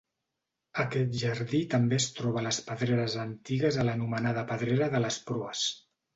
Aquest jardí també es troba a les pedreres antigues a l'anomenada pedrera de les Proes.